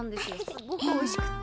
すごくおいしくて。